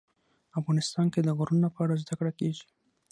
افغانستان کې د غرونه په اړه زده کړه کېږي.